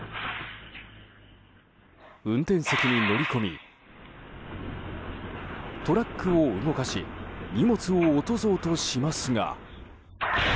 運転席に乗り込みトラックを動かし荷物を落とそうとしますが。